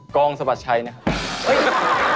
งสะบัดชัยนะครับ